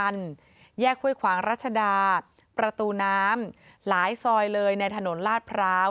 แยกห้วยขวางรัชดาประตูน้ำหลายซอยเลยในถนนลาดพร้าว